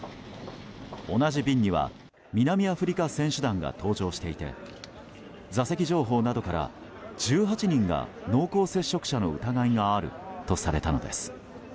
同じ便には南アフリカ選手団が搭乗していて座席情報などから１８人が濃厚接触者の疑いがあるとされたのです。